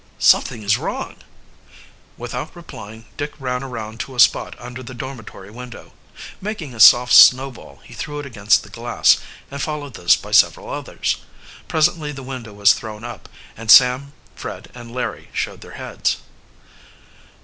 "Something is wrong." Without replying, Dick ran around to a spot under the dormitory window. Making a soft snowball, he threw it against the glass, and followed this by several others. Presently the window was thrown up, and Sam, Fred, and Larry showed their heads.